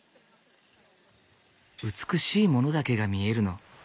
「美しいものだけが見えるの」。